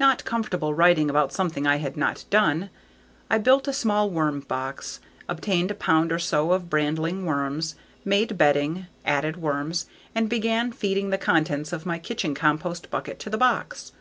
Not comfortable writing about something I had not done, I built a small worm box, obtained a pound or so of brandling worms, made bedding, added worms, and began feeding the contents of my kitchen compost bucket to the box.